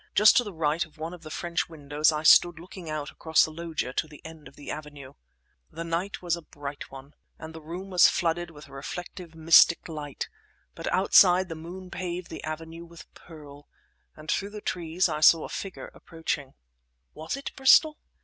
Just to the right of one of the French windows I stood looking out across the loggia to the end of the avenue. The night was a bright one, and the room was flooded with a reflected mystic light, but outside the moon paved the avenue with pearl, and through the trees I saw a figure approaching. Was it Bristol?